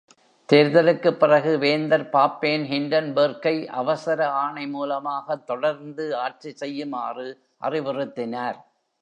தேர்தலுக்குப் பிறகு, வேந்தர் பாப்பேன் ஹின்டன்பர்க்கை அவசர ஆணை மூலமாக தொடர்ந்து ஆட்சி செய்யுமாறு அறிவுறுத்தினார்.